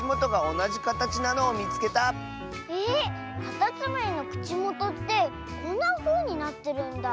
カタツムリのくちもとってこんなふうになってるんだ。